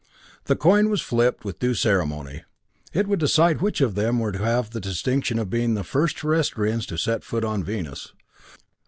The coin was flipped with due ceremony it would decide which of them were to have the distinction of being the first Terrestrians to set foot on Venus.